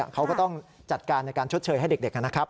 เขาก็ต้องจัดการในการชดเชยให้เด็กนะครับ